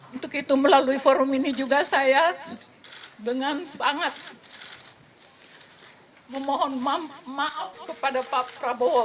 untuk itu melalui forum ini juga saya dengan sangat memohon maaf kepada pak prabowo